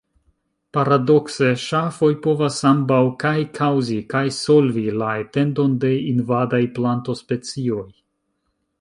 Paradokse, ŝafoj povas ambaŭ kaj kaŭzi kaj solvi la etendon de invadaj plantospecioj.